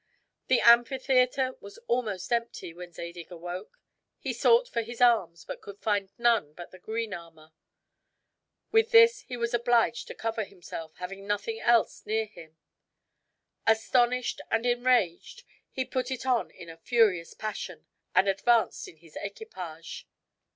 The amphitheater was almost empty when Zadig awoke; he sought for his arms, but could find none but the green armor. With this he was obliged to cover himself, having nothing else near him. Astonished and enraged, he put it on in a furious passion, and advanced in this equipage.